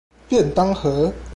便當盒